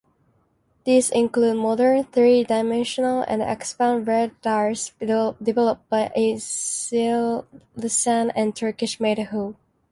These include modern Three-dimensional and X-band radars developed by Aselsan and Turkish-made hull-mounted sonars.